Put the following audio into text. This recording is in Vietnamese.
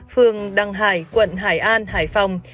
phường đăng hải quận hải an hải phòng